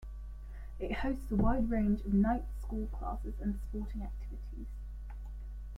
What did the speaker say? It hosts a wide range of night school classes and sporting activities.